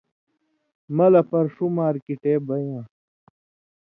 مہ لہ پر ݜُو مارکِٹے بئ یان٘س